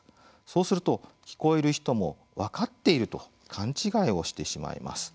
そうすると、聞こえる人も分かっていると勘違いをしてしまいます。